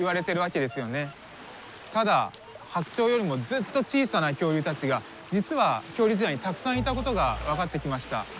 ただ白鳥よりもずっと小さな恐竜たちが実は恐竜時代にたくさんいたことが分かってきました。